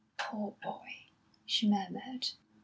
"Poor boy!" she murmured.